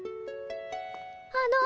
あの。